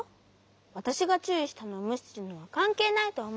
わたしがちゅういしたのをむしするのはかんけいないとおもうし。